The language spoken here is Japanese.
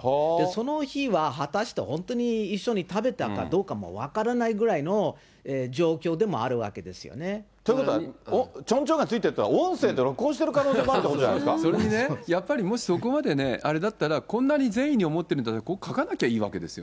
その日は果たして、本当に一緒に食べたかどうかも分からないぐらいの状況でもあるわということは、ちょんちょんがついてるというのは、音声で録音してる可能性もあそれにね、やっぱりもし、そこまであれだったら、こんなに善意に思ってるんだったら、書かなきゃいいわけですよね。